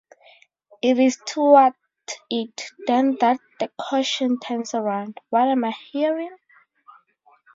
It is "toward it", then, that the question turns around; "what am I hearing?...